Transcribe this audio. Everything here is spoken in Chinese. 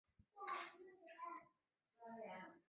乔映伍于顺治三年中式丙戌科三甲第五名进士。